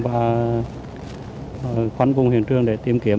và khoăn vùng hiện trường để tìm kiếm